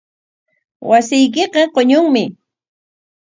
Wasiykiqa quñunmi.